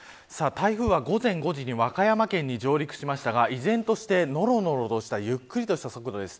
台風は午前５時に和歌山県に上陸しましたが依然として、のろのろとしたゆっくりとした速度です。